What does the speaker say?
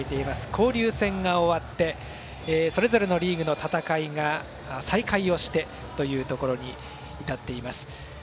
交流戦が終わってそれぞれのリーグの戦いが再開してというところに至っています。